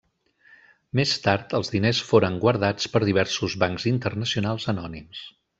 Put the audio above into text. Més tard, els diners foren guardats per diversos bancs internacionals anònims.